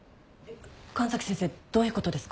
神崎先生どういう事ですか？